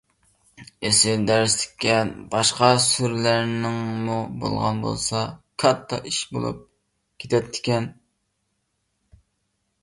ئېسىل دەرسلىككەن. باشقا سۈرىلەرنىڭمۇ بولغان بولسا كاتتا ئىش بولۇپ كېتەتتىكەن!